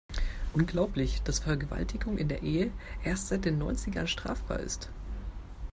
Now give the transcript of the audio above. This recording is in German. Unglaublich, dass Vergewaltigung in der Ehe erst seit den Neunzigern strafbar ist.